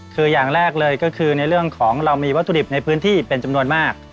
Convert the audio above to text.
คืออย่างแรกเลยก็คือในเรื่องของเรามีวัตถุดิบในพื้นที่เป็นจำนวนมาก